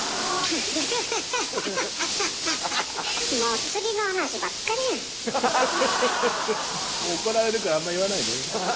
フフフッ怒られるからあんま言わないで。